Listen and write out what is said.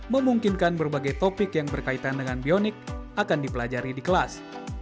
memungkinkan berbagai topik yang berkaitan dengan bionik akan dipelajari di kelas